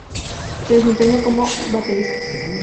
Se desempeña como baterista.